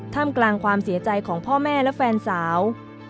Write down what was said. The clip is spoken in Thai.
กลางความเสียใจของพ่อแม่และแฟนสาว